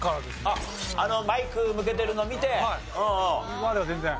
あっあのマイク向けてるの見て？までは全然。